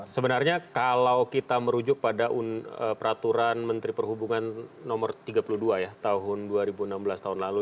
sebenarnya kalau kita merujuk pada peraturan menteri perhubungan nomor tiga puluh dua tahun dua ribu enam belas tahun lalu